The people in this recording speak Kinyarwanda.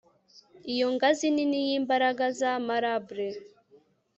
iyo ngazi nini yimbaraga za marble